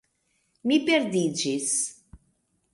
Mi perdiĝis